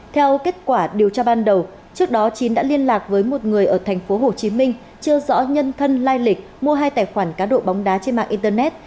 theo kết quả điều tra ban đầu trước đó chín đã liên lạc với một người ở tp hcm chưa rõ nhân thân lai lịch mua hai tài khoản cá độ bóng đá trên mạng internet